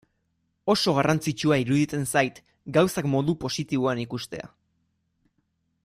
Oso garrantzitsua iruditzen zait gauzak modu positiboan ikustea.